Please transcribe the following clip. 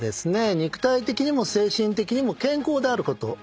肉体的にも精神的にも健康であること。